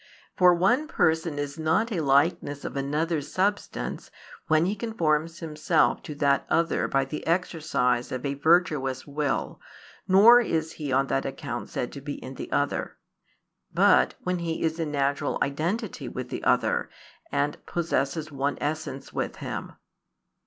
|287 For one person is not a likeness of another's substance when he conforms himself to that other by the exercise of a virtuous will, nor is he on that account said to be in the other; but when he is in natural identity with the other, and possesses one essence with him.